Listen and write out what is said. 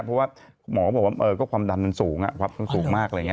เพราะว่าหมอก็บอกว่าความดันมันสูงความดันสูงมากอะไรอย่างนี้